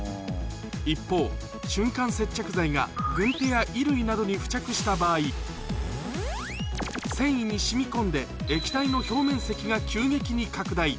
一方、瞬間接着剤が軍手や衣類などに付着した場合、繊維にしみこんで、液体の表面積が急激に拡大。